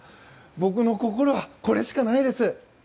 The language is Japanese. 僕の心はこれしかないです。